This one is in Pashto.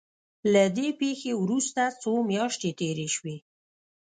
له دې پېښې وروسته څو مياشتې تېرې شوې.